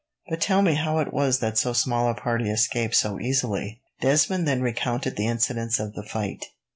"But tell me how it was that so small a party escaped so easily?" Desmond then recounted the incidents of the fight.